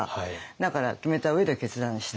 だから決めた上で決断して。